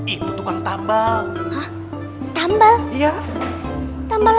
itu tukang tambal